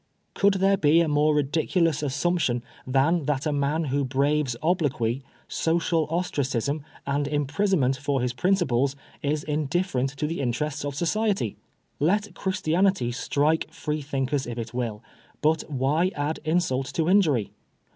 Could there be a more ridiculous assumption than that a man who braves obloquy, social ostracism, and imprisonment for his principles, is indifferent to the interests of society? Let Christianity strike Free thinkers if it will, but why add insult to injury